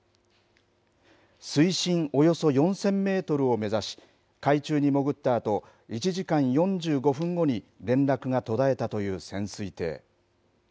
水深およそ４０００メートルを目指し、海中に潜ったあと、１時間４５分後に連絡が途絶えたという潜水艇。